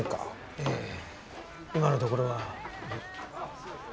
ええ今のところは。